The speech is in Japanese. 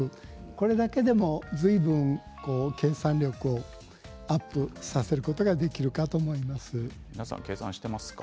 これだけでもずいぶん計算力をアップさせることが皆さん計算していますか？